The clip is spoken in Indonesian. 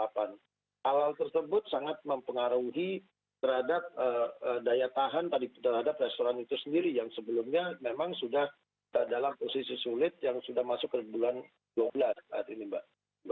hal hal tersebut sangat mempengaruhi terhadap daya tahan terhadap restoran itu sendiri yang sebelumnya memang sudah dalam posisi sulit yang sudah masuk ke bulan dua belas saat ini mbak